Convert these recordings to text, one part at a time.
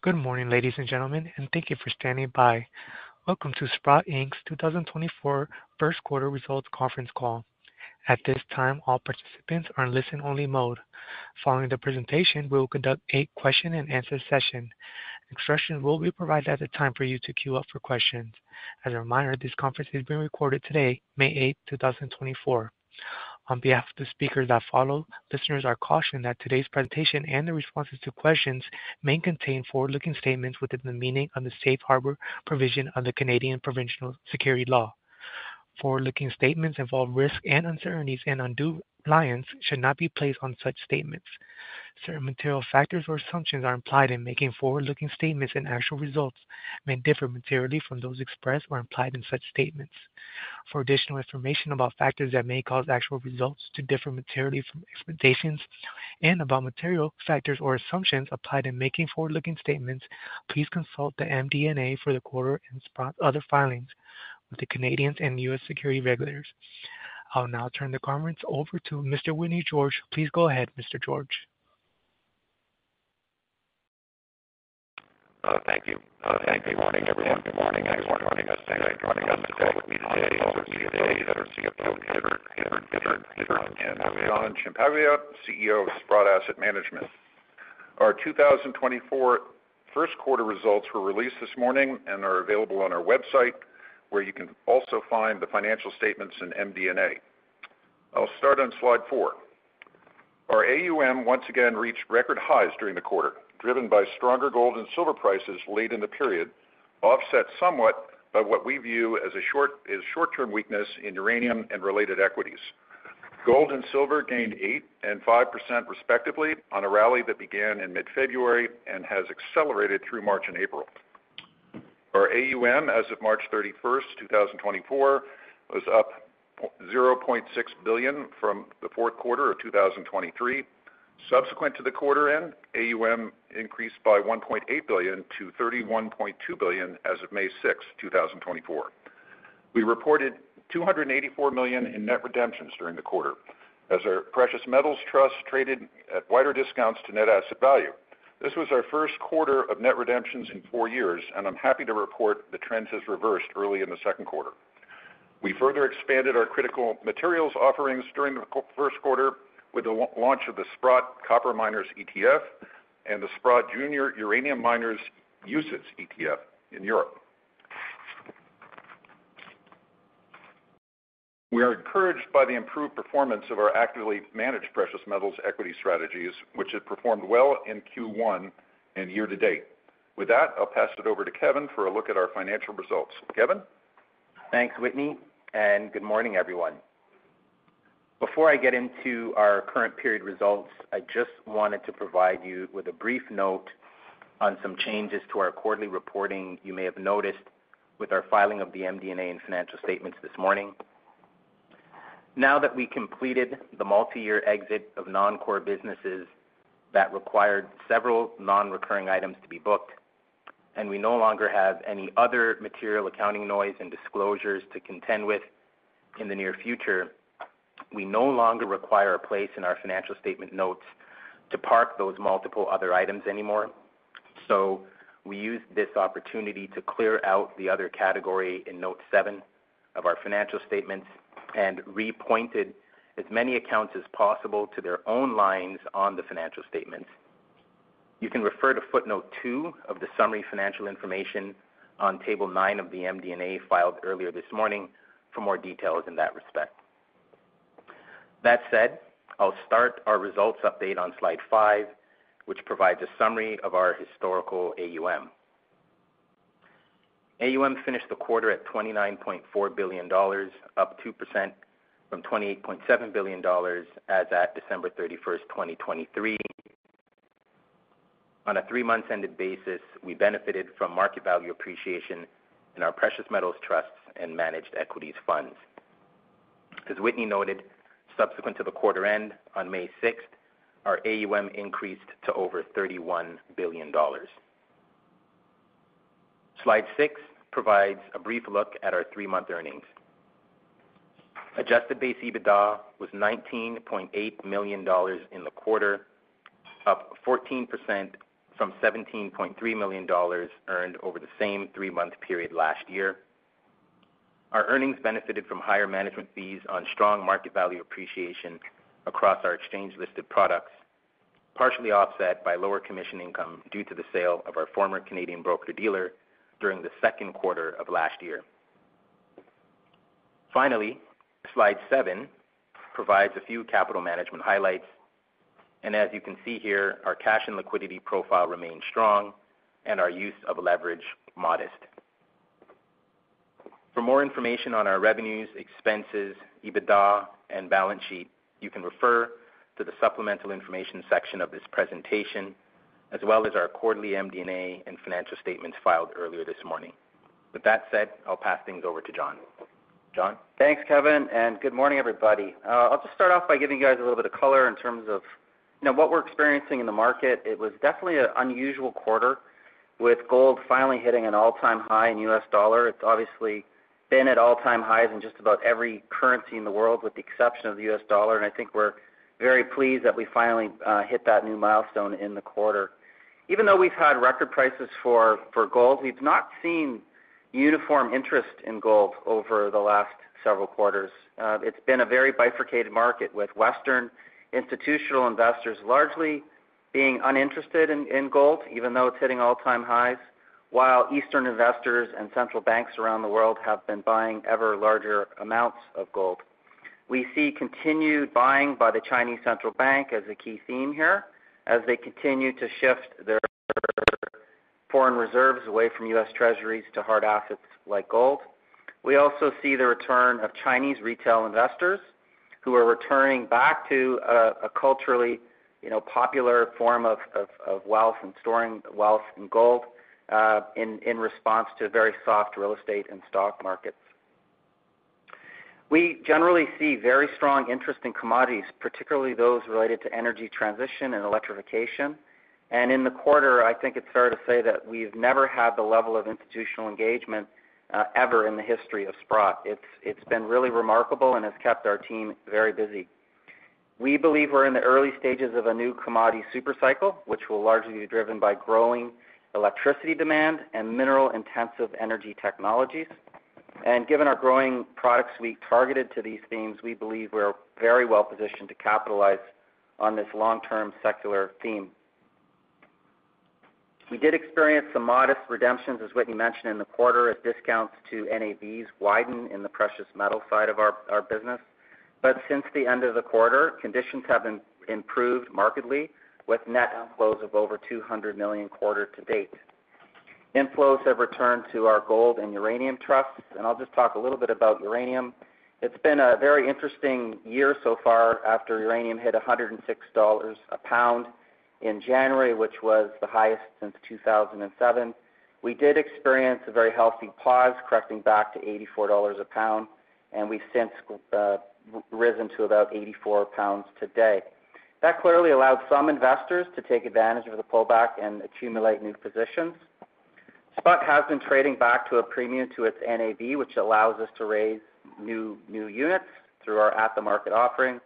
Good morning, ladies and gentlemen, and thank you for standing by. Welcome to Sprott Inc.'s 2024 first quarter results conference call. At this time, all participants are in listen-only mode. Following the presentation, we will conduct a question-and-answer session. Instructions will be provided at the time for you to queue up for questions. As a reminder, this conference is being recorded today, May 8th, 2024. On behalf of the speakers that follow, listeners are cautioned that today's presentation and the responses to questions may contain forward-looking statements within the meaning of the Safe Harbor provision of the Canadian provincial securities laws. Forward-looking statements involve risks and uncertainties, and undue reliance should not be placed on such statements. Certain material factors or assumptions are implied in making forward-looking statements, and actual results may differ materially from those expressed or implied in such statements. For additional information about factors that may cause actual results to differ materially from expectations and about material factors or assumptions applied in making forward-looking statements, please consult the MD&A for the quarter and Sprott's other filings with the Canadian and U.S. securities regulators. I'll now turn the conference over to Mr. Whitney George. Please go ahead, Mr. George. Thank you. Good morning, everyone. Good morning. Thanks for joining us. Thank you for joining us today. With me today is our CFO, Kevin Hibbert, and John Ciampaglia, CEO of Sprott Asset Management. Our 2024 first quarter results were released this morning and are available on our website, where you can also find the financial statements and MD&A. I'll start on slide four. Our AUM once again reached record highs during the quarter, driven by stronger gold and silver prices late in the period, offset somewhat by what we view as a short-term weakness in uranium and related equities. Gold and silver gained 8% and 5%, respectively, on a rally that began in mid-February and has accelerated through March and April. Our AUM as of March 31st, 2024, was up $0.6 billion from the fourth quarter of 2023. Subsequent to the quarter end, AUM increased by $1.8 billion to $31.2 billion as of May 6th, 2024. We reported $284 million in net redemptions during the quarter, as our precious metals trust traded at wider discounts to net asset value. This was our first quarter of net redemptions in four years, and I'm happy to report the trends has reversed early in the second quarter. We further expanded our critical materials offerings during the first quarter with the launch of the Sprott Copper Miners ETF and the Sprott Junior Uranium Miners UCITS ETF in Europe. We are encouraged by the improved performance of our actively managed precious metals equity strategies, which have performed well in Q1 and year to date. With that, I'll pass it over to Kevin for a look at our financial results. Kevin? Thanks, Whitney, and good morning, everyone. Before I get into our current period results, I just wanted to provide you with a brief note on some changes to our quarterly reporting you may have noticed with our filing of the MD&A and financial statements this morning. Now that we completed the multiyear exit of non-core businesses that required several non-recurring items to be booked, and we no longer have any other material accounting noise and disclosures to contend with in the near future, we no longer require a place in our financial statement notes to park those multiple other items anymore. So we used this opportunity to clear out the other category in note seven of our financial statements and repointed as many accounts as possible to their own lines on the financial statements. You can refer to footnote two of the summary financial information on table nine of the MD&A filed earlier this morning for more details in that respect. That said, I'll start our results update on slide five, which provides a summary of our historical AUM. AUM finished the quarter at $29.4 billion, up 2% from $28.7 billion as at December 31st, 2023. On a three-month ended basis, we benefited from market value appreciation in our precious metals trusts and managed equities funds. As Whitney noted, subsequent to the quarter end, on May 6th, our AUM increased to over $31 billion. Slide six provides a brief look at our three-month earnings. Adjusted base EBITDA was $19.8 million in the quarter, up 14% from $17.3 million earned over the same three-month period last year. Our earnings benefited from higher management fees on strong market value appreciation across our exchange-listed products, partially offset by lower commission income due to the sale of our former Canadian broker-dealer during the second quarter of last year. Finally, slide seven provides a few capital management highlights, and as you can see here, our cash and liquidity profile remains strong and our use of leverage, modest. For more information on our revenues, expenses, EBITDA, and balance sheet, you can refer to the supplemental information section of this presentation, as well as our quarterly MD&A and financial statements filed earlier this morning. With that said, I'll pass things over to John. John? Thanks, Kevin, and good morning, everybody. I'll just start off by giving you guys a little bit of color in terms of...... Now, what we're experiencing in the market, it was definitely an unusual quarter, with gold finally hitting an all-time high in the U.S. dollar. It's obviously been at all-time highs in just about every currency in the world, with the exception of the U.S. dollar. I think we're very pleased that we finally hit that new milestone in the quarter. Even though we've had record prices for gold, we've not seen uniform interest in gold over the last several quarters. It's been a very bifurcated market, with Western institutional investors largely being uninterested in gold, even though it's hitting all-time highs, while Eastern investors and central banks around the world have been buying ever larger amounts of gold. We see continued buying by the Chinese Central Bank as a key theme here, as they continue to shift their foreign reserves away from U.S. Treasuries to hard assets like gold. We also see the return of Chinese retail investors, who are returning back to a culturally, you know, popular form of wealth and storing wealth in gold, in response to very soft real estate and stock markets. We generally see very strong interest in commodities, particularly those related to energy transition and electrification. In the quarter, I think it's fair to say that we've never had the level of institutional engagement ever in the history of Sprott. It's been really remarkable and has kept our team very busy. We believe we're in the early stages of a new commodity super cycle, which will largely be driven by growing electricity demand and mineral-intensive energy technologies. And given our growing product suite targeted to these themes, we believe we're very well positioned to capitalize on this long-term secular theme. We did experience some modest redemptions, as Whitney mentioned in the quarter, as discounts to NAVs widen in the precious metal side of our business. But since the end of the quarter, conditions have been improved markedly, with net outflows of over $200 million quarter to date. Inflows have returned to our gold and uranium trusts, and I'll just talk a little bit about uranium. It's been a very interesting year so far after uranium hit $106 a pound in January, which was the highest since 2007. We did experience a very healthy pause, correcting back to $84 a pound, and we've since risen to about $84 a pound today. That clearly allowed some investors to take advantage of the pullback and accumulate new positions. Sprott has been trading back to a premium to its NAV, which allows us to raise new, new units through our at-the-market offering.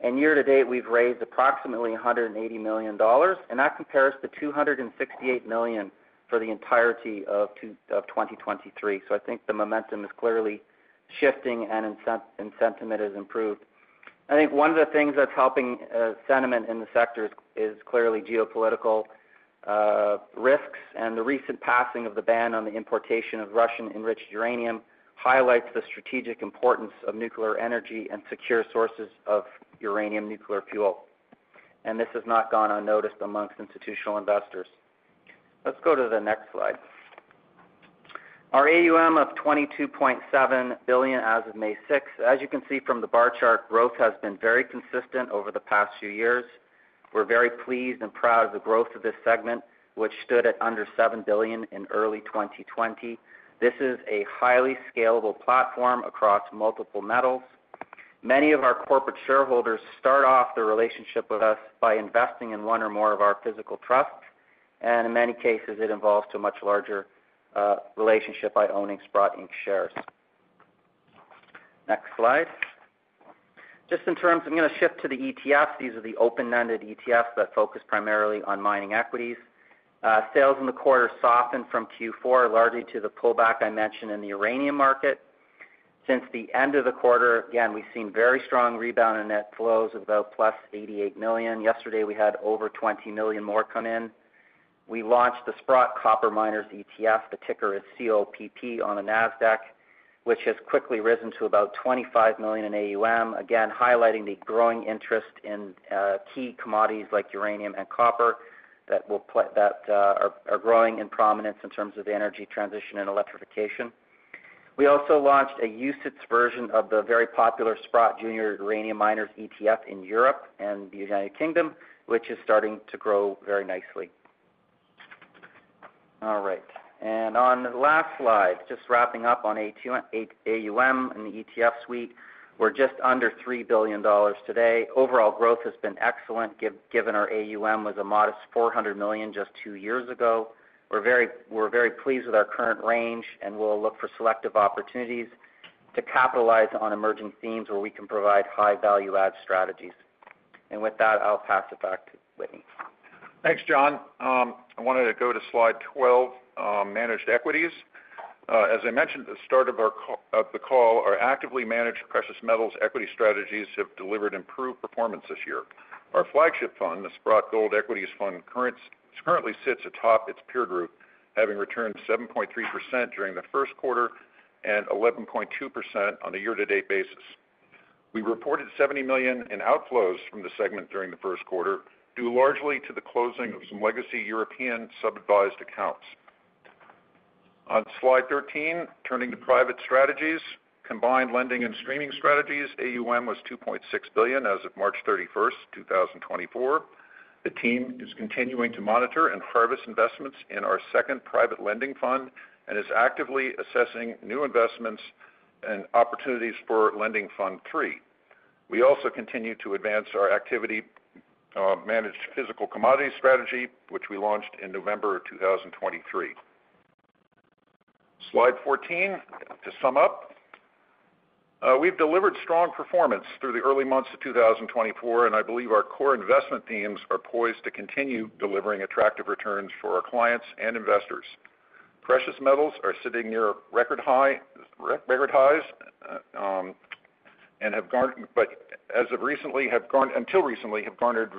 And year to date, we've raised approximately $180 million, and that compares to $268 million for the entirety of 2023. So I think the momentum is clearly shifting and sentiment has improved. I think one of the things that's helping sentiment in the sector is clearly geopolitical risks, and the recent passing of the ban on the importation of Russian enriched uranium highlights the strategic importance of nuclear energy and secure sources of uranium nuclear fuel. This has not gone unnoticed among institutional investors. Let's go to the next slide. Our AUM of $22.7 billion as of May 6th. As you can see from the bar chart, growth has been very consistent over the past few years. We're very pleased and proud of the growth of this segment, which stood at under $7 billion in early 2020. This is a highly scalable platform across multiple metals. Many of our corporate shareholders start off their relationship with us by investing in one or more of our physical trusts, and in many cases, it involves a much larger relationship by owning Sprott Inc. shares. Next slide. Just in terms... I'm gonna shift to the ETFs. These are the open-ended ETFs that focus primarily on mining equities. Sales in the quarter softened from Q4, largely to the pullback I mentioned in the uranium market. Since the end of the quarter, again, we've seen very strong rebound in net flows of about +$88 million. Yesterday, we had over $20 million more come in. We launched the Sprott Copper Miners ETF. The ticker is COPP on the Nasdaq, which has quickly risen to about $25 million in AUM, again, highlighting the growing interest in key commodities like uranium and copper, that are growing in prominence in terms of energy transition and electrification. We also launched a UCITS version of the very popular Sprott Junior Uranium Miners ETF in Europe and the United Kingdom, which is starting to grow very nicely. All right, and on the last slide, just wrapping up on AUM and the ETF suite. We're just under $3 billion today. Overall growth has been excellent, given our AUM was a modest $400 million just two years ago. We're very pleased with our current range, and we'll look for selective opportunities to capitalize on emerging themes where we can provide high value add strategies. With that, I'll pass it back to Whitney. Thanks, John. I wanted to go to slide 12, managed equities. As I mentioned at the start of our call, our actively managed precious metals equity strategies have delivered improved performance this year. Our flagship fund, the Sprott Gold Equity Fund, currently sits atop its peer group, having returned 7.3% during the first quarter and 11.2% on a year-to-date basis. We reported $70 million in outflows from the segment during the first quarter, due largely to the closing of some legacy European sub-advised accounts. On slide 13, turning to private strategies. Combined lending and streaming strategies, AUM was $2.6 billion as of March 31st, 2024. The team is continuing to monitor and harvest investments in our second private lending fund and is actively assessing new investments and opportunities for Lending Fund III. We also continue to advance our activity, managed physical commodity strategy, which we launched in November of 2023. Slide 14, to sum up. We've delivered strong performance through the early months of 2024, and I believe our core investment themes are poised to continue delivering attractive returns for our clients and investors. Precious metals are sitting near record high, re-record highs, and have garnered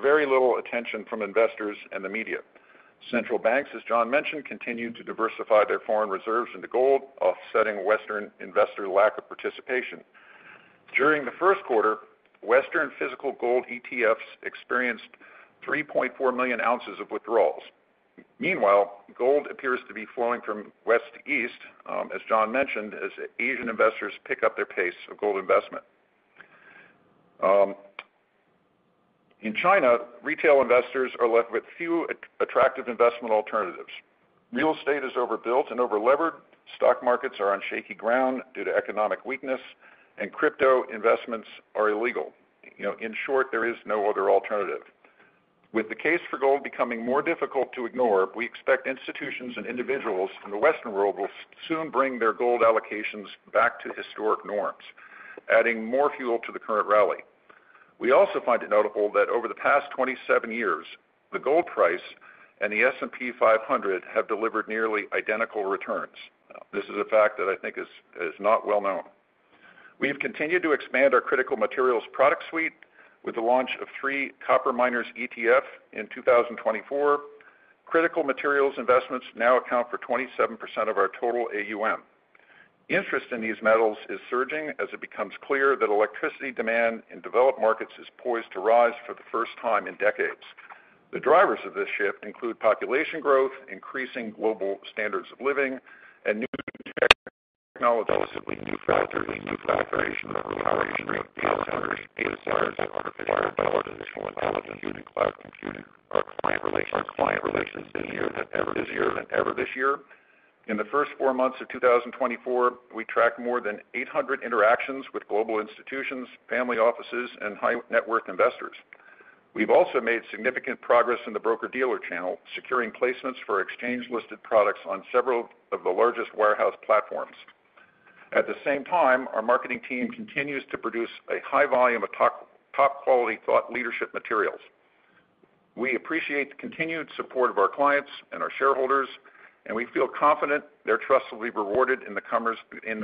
very little attention from investors and the media. Central banks, as John mentioned, continued to diversify their foreign reserves into gold, offsetting Western investor lack of participation. During the first quarter, Western physical gold ETFs experienced 3.4 million ounces of withdrawals. Meanwhile, gold appears to be flowing from west to east, as John mentioned, as Asian investors pick up their pace of gold investment. In China, retail investors are left with few attractive investment alternatives. Real estate is overbuilt and overlevered, stock markets are on shaky ground due to economic weakness, and crypto investments are illegal. You know, in short, there is no other alternative. With the case for gold becoming more difficult to ignore, we expect institutions and individuals from the Western world will soon bring their gold allocations back to historic norms, adding more fuel to the current rally. We also find it notable that over the past 27 years, the gold price and the S&P 500 have delivered nearly identical returns. This is a fact that I think is not well known. We have continued to expand our critical materials product suite with the launch of the Copper Miners ETF in 2024. Critical materials investments now account for 27% of our total AUM. Interest in these metals is surging as it becomes clear that electricity demand in developed markets is poised to rise for the first time in decades. The drivers of this shift include population growth, increasing global standards of living, and new technology. Relatively new factors, new creation and power-hungry data centers required by artificial intelligence, cloud computing. Our client relations team this year than ever this year. This year, in the first four months of 2024, we tracked more than 800 interactions with global institutions, family offices, and high net worth investors. We've also made significant progress in the broker-dealer channel, securing placements for exchange-listed products on several of the largest wirehouse platforms. At the same time, our marketing team continues to produce a high volume of top quality thought leadership materials. We appreciate the continued support of our clients and our shareholders, and we feel confident their trust will be rewarded in the coming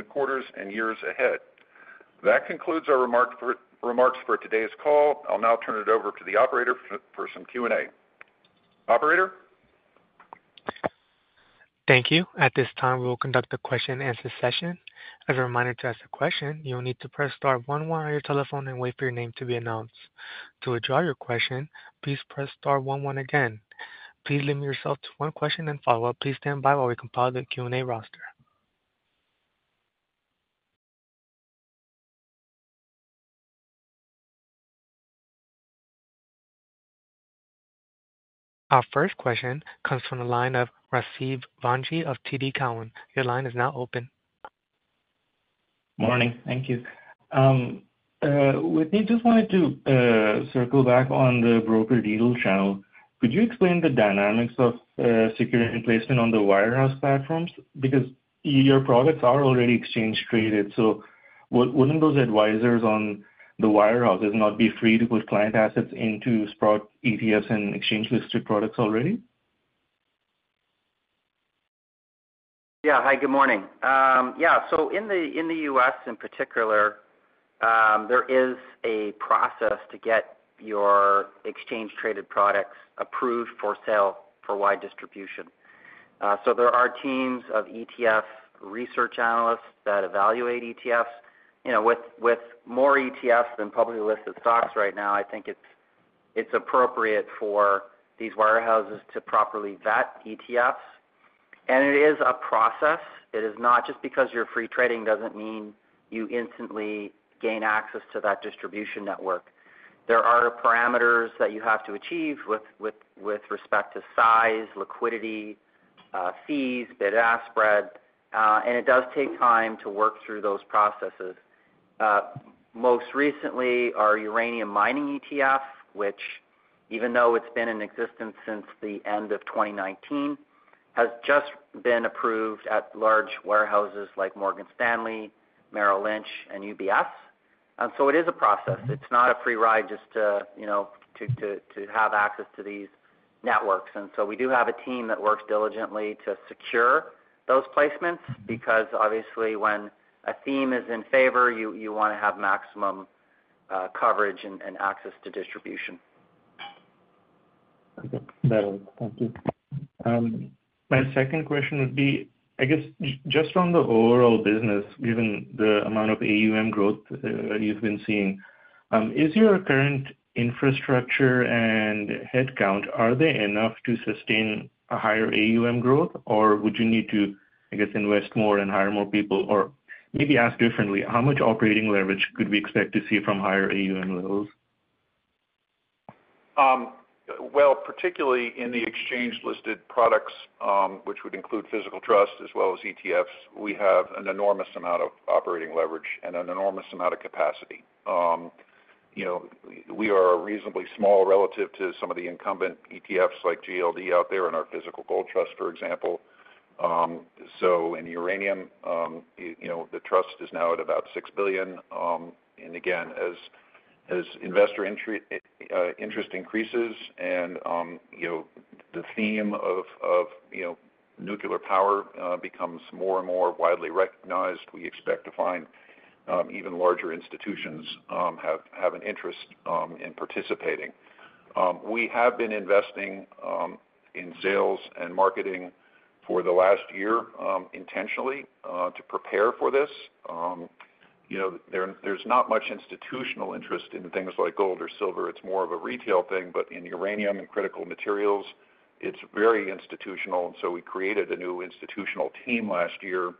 quarters and years ahead. That concludes our remarks for today's call. I'll now turn it over to the operator for some Q&A. Operator? Thank you. At this time, we will conduct a question and answer session. As a reminder, to ask a question, you will need to press star one one on your telephone and wait for your name to be announced. To withdraw your question, please press star one one again. Please limit yourself to one question and follow-up. Please stand by while we compile the Q&A roster. Our first question comes from the line of Rasib Bhanji of TD Cowen. Your line is now open. Morning. Thank you. Whitney, just wanted to circle back on the broker-dealer channel. Could you explain the dynamics of securing placement on the wirehouse platforms? Because your products are already exchange-traded, so wouldn't those advisors on the wirehouses not be free to put client assets into Sprott ETFs and exchange-listed products already? Yeah. Hi, good morning. Yeah, so in the U.S. in particular, there is a process to get your exchange-traded products approved for sale for wide distribution. So there are teams of ETF research analysts that evaluate ETFs. You know, with more ETFs than publicly listed stocks right now, I think it's appropriate for these wirehouses to properly vet ETFs. And it is a process. It is not just because you're free trading, doesn't mean you instantly gain access to that distribution network. There are parameters that you have to achieve with respect to size, liquidity, fees, bid-ask spread, and it does take time to work through those processes. Most recently, our uranium mining ETF, which even though it's been in existence since the end of 2019, has just been approved at large wirehouses like Morgan Stanley, Merrill Lynch, and UBS. And so it is a process. It's not a free ride just to, you know, to have access to these networks. And so we do have a team that works diligently to secure those placements, because obviously when a theme is in favor, you wanna have maximum coverage and access to distribution. Okay. That helps. Thank you. My second question would be, I guess just on the overall business, given the amount of AUM growth, you've been seeing, is your current infrastructure and headcount, are they enough to sustain a higher AUM growth? Or would you need to, I guess, invest more and hire more people? Or maybe ask differently, how much operating leverage could we expect to see from higher AUM levels?... Well, particularly in the exchange-listed products, which would include physical trust as well as ETFs, we have an enormous amount of operating leverage and an enormous amount of capacity. You know, we are reasonably small relative to some of the incumbent ETFs like GLD out there in our physical gold trust, for example. So in uranium, you know, the trust is now at about $6 billion. And again, as investor interest increases and, you know, the theme of you know, nuclear power becomes more and more widely recognized, we expect to find even larger institutions have an interest in participating. We have been investing in sales and marketing for the last year intentionally to prepare for this. You know, there's not much institutional interest in things like gold or silver. It's more of a retail thing, but in uranium and critical materials, it's very institutional, and so we created a new institutional team last year,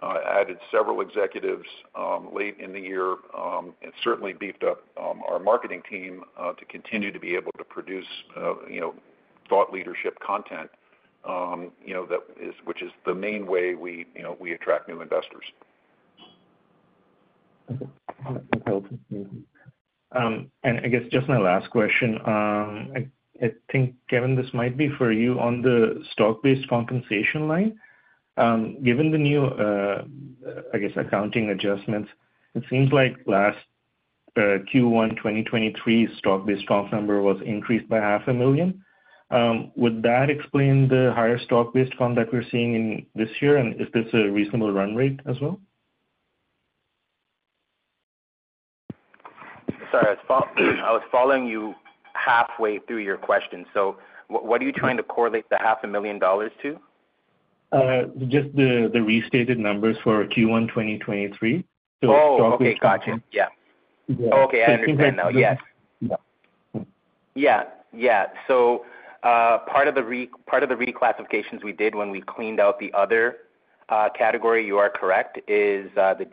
added several executives, late in the year, and certainly beefed up our marketing team to continue to be able to produce, you know, thought leadership content, you know, that is—which is the main way we, you know, we attract new investors. I guess just my last question, I think, Kevin, this might be for you. On the stock-based compensation line, given the new, I guess, accounting adjustments, it seems like last Q1, 2023 stock-based comp number was increased by $500,000. Would that explain the higher stock-based comp that we're seeing in this year, and is this a reasonable run rate as well? Sorry, I was following you halfway through your question, so what are you trying to correlate the $500,000 to? Just the restated numbers for Q1, 2023. Oh, okay. Gotcha. Yeah. Yeah. Okay, I understand now. Yes. Yeah. Yeah. Yeah. So, part of the reclassifications we did when we cleaned out the other category, you are correct, is the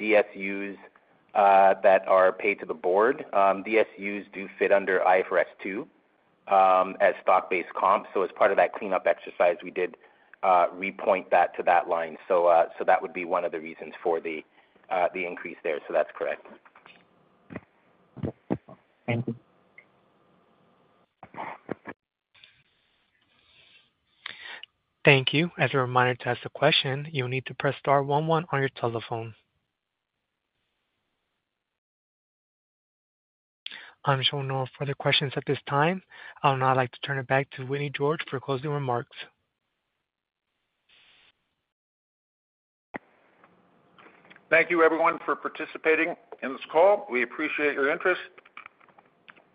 DSUs that are paid to the board. DSUs do fit under IFRS 2, as stock-based comp. So as part of that cleanup exercise, we did repoint that to that line. So, so that would be one of the reasons for the increase there. So that's correct. Thank you. Thank you. As a reminder, to ask a question, you'll need to press star one one on your telephone. I'm showing no further questions at this time. I would now like to turn it back to Whitney George for closing remarks. Thank you, everyone, for participating in this call. We appreciate your interest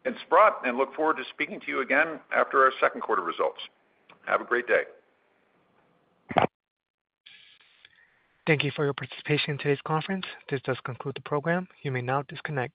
in Sprott and look forward to speaking to you again after our second quarter results. Have a great day. Thank you for your participation in today's conference. This does conclude the program. You may now disconnect.